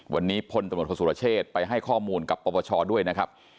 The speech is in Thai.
วันนี้พลตำรวจโทษสุรเชษไปให้ข้อมูลกับปปชด้วยนะครับ